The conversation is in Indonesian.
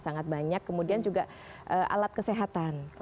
sangat banyak kemudian juga alat kesehatan